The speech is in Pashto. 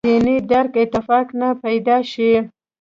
دیني درک اتفاق نه پیدا شي.